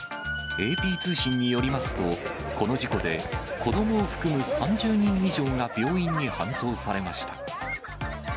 ＡＰ通信によりますと、この事故で子どもを含む３０人以上が病院に搬送されました。